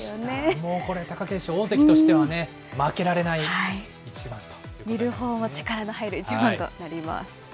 もうこれ、貴景勝、大関としてはね、負けられない一番という見るほうも力の入る一番となります。